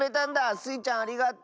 スイちゃんありがとう！